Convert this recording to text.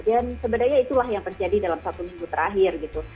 dan sebenarnya itulah yang terjadi dalam satu minggu terakhir gitu